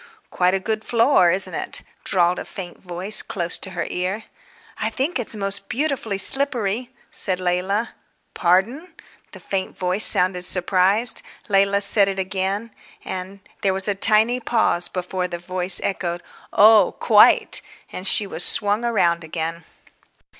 "Quite a good floor, isn't it?" drawled a faint voice close to her ear. "I think it's most beautifully slippery," said Leila. "Pardon!" The faint voice sounded surprised. Leila said it again. And there was a tiny pause before the voice echoed, "Oh, quite!" and she was swung round again.